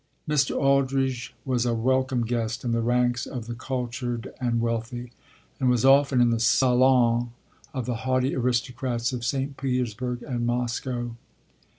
Mr. Aldridge was a welcome guest in the ranks of the cultured and wealthy, and was often in the "salons" of the haughty aristocrats of St. Petersburg and Moscow.